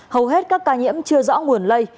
hầu hết các ca nhiễm chưa rõ nguồn lây